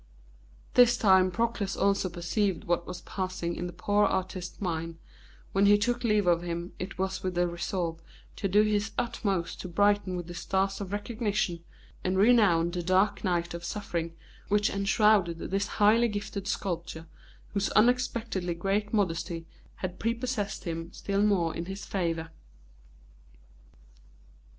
This time Proclus also perceived what was passing in the poor artist's mind, and when he took leave of him it was with the resolve to do his utmost to brighten with the stars of recognition and renown the dark night of suffering which enshrouded this highly gifted sculptor, whose unexpectedly great modesty had prepossessed him still more in his favour.